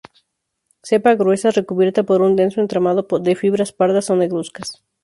Cepa gruesa, recubierta por un denso entramado de fibras pardas o negruzcas.